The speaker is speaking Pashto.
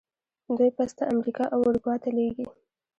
دوی پسته امریکا او اروپا ته لیږي.